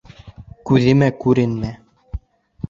Күҙемә күренмә!